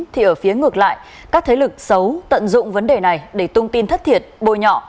thì ở phía ngược lại các thế lực xấu tận dụng vấn đề này để tung tin thất thiệt bôi nhọ